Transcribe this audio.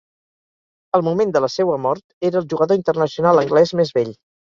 Al moment de la seua mort era el jugador internacional anglès més vell.